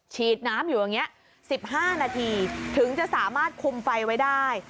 ฉีดน้ำอยู่อย่างนี้๑๕นาทีถึงจะสามารถคุมไฟไว้ได้